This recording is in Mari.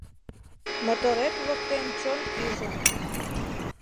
Моторет воктен чон пижын.